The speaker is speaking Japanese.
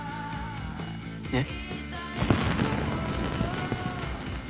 えっ？